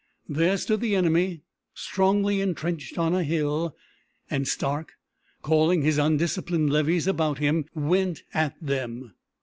There stood the enemy strongly intrenched on a hill, and Stark, calling his undisciplined levies about him, went at them.